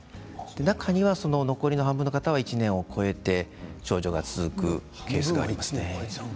中には、残りの半分の人は１年を超えて症状が続くケースがあります。